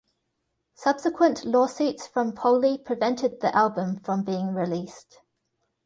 Subsequent lawsuits from Poley prevented the album from being released.